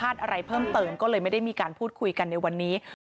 อะไรเพิ่มเติมก็เลยไม่ได้มีการพูดคุยกันในวันนี้